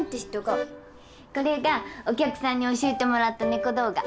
これがお客さんに教えてもらった猫動画。